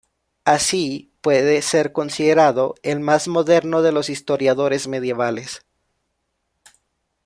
Así, puede ser considerado el más moderno de los historiadores medievales.